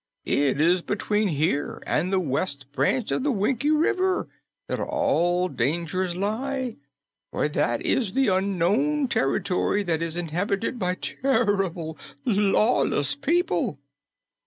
It is between here and the west branch of the Winkie River that all dangers lie, for that is the unknown territory that is inhabited by terrible, lawless people."